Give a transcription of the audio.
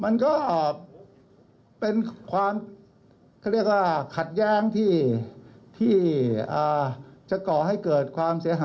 มันก็มันก็เป็นความเรียกว่าขาดแย้งที่ที่ค่ะที่จะเก่าให้เกิดความเสีย